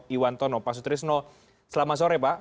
iwan tono pak sutrisno selamat sore pak